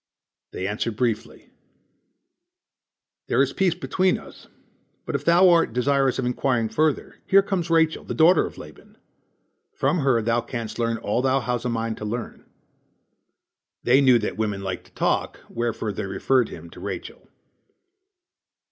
They answered briefly: "There is peace between us, but if thou art desirous of inquiring further, here comes Rachel the daughter of Laban. From her thou canst learn all thou hast a mind to learn." They knew that women like to talk, wherefore they referred him to Rachel.